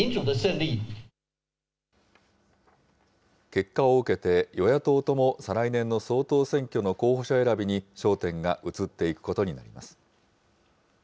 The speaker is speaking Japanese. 結果を受けて、与野党とも再来年の総統選挙の候補者選びに焦点が移っていくこと